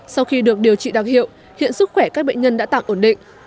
sau khi được điều trị đặc hiệu hiện sức khỏe các bệnh nhân đã tạm ổn định